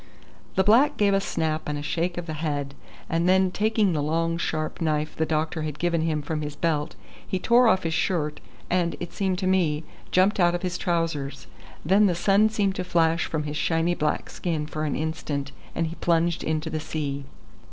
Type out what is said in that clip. The black gave a snap and a shake of the head, and then taking the long sharp knife the doctor had given him from his belt, he tore off his shirt and, it seemed to me, jumped out of his trousers. Then the sun seemed to flash from his shiny black skin for an instant, and he plunged into the sea.